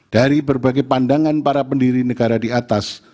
dari berbagai pandangan para pendiri negara di atas